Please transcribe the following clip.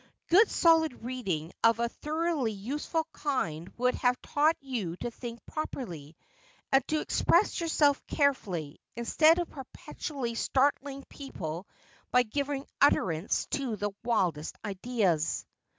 Good solid reading of a thoroughly use ful kind would have taught you to think properly, and to ex press yourself carefully, instead of perpetually startling people by giving utterance to the wildest ideas.'